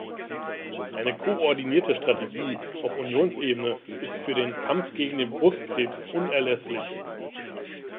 Eine koordinierte Strategie auf Unionsebene ist für den Kampf gegen den Brustkrebs unerlässlich.